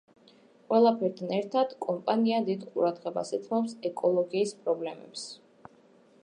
ყველაფერთან ერთად კომპანია დიდ ყურადღებას უთმობს ეკოლოგიის პრობლემებს.